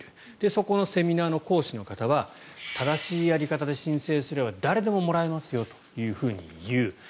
そこのセミナーの講師の方は正しいやり方で申請すれば誰でももらえますよと言う。